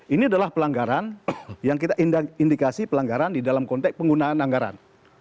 ini adalah pelanggaran yang kita indikasi pelanggaran di dalam konteks penggunaan anggaran